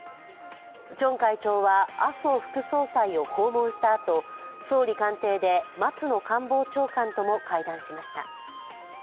チョン会長は麻生副総裁を訪問したあと、総理官邸で松野官房長官とも会談しました。